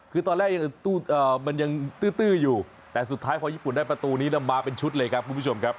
คือตอนแรกมันยังตื้ออยู่แต่สุดท้ายของญี่ปุ่นได้ประตูนี้ลำบ้าเป็นชุดเลยครับ